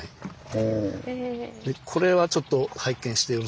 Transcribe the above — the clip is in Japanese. これはちょっと拝見してよろしいですか。